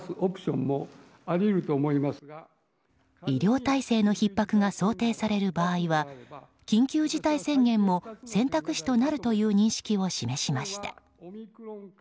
医療体制のひっ迫が想定される場合は緊急事態宣言も選択肢となるという認識を示しました。